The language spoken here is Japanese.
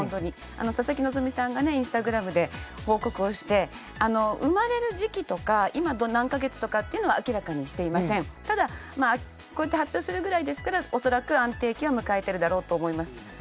佐々木希さんがインスタグラムで報告して生まれる時期や今、何カ月というのは明らかにしていませんがこうして発表するぐらいですからおそらく安定期は迎えているだろうと思います。